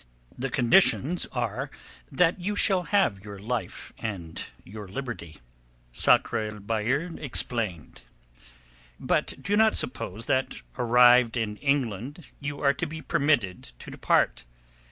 "The conditions are that you shall have your life and your liberty," Sakr el Bahr explained. "But do not suppose that arrived in England you are to be permitted to depart.